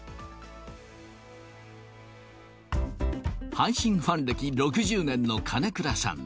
阪神ファン歴６０年の金倉さん。